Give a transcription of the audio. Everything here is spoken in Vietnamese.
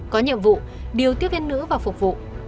có nhiệm vụ điều tiếp viên nữ và phục vụ